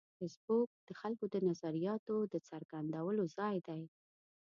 فېسبوک د خلکو د نظریاتو د څرګندولو ځای دی